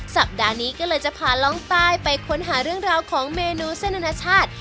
สัปดาห์นี้ก็เลยจะพาล่องใต้ไปค้นหาเรื่องราวของเมนูเส้นอนาชาติ